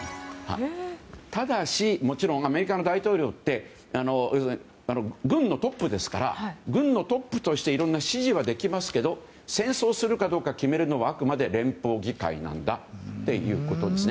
ただし、もちろんアメリカの大統領は軍のトップですから軍のトップとしていろんな指示はできますが戦争するかどうかを決めるのはあくまで連邦議会なんだということです。